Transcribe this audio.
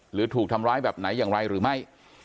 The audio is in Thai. หรือถูกทำร้ายแบบไหนอย่างไรหรือไม่